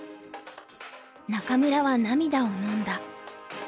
仲邑は涙をのんだ。